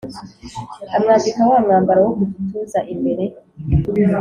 Amwambika wa mwambaro wo ku gituza imbere